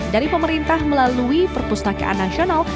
dari pemerintah melalui perpustakaan nasional